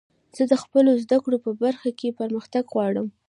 زه د خپلو زدکړو په برخه کښي پرمختګ غواړم.